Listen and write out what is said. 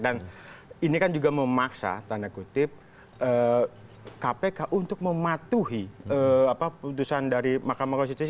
dan ini kan juga memaksa tanda kutip kpk untuk mematuhi putusan dari mahkamah konstitusi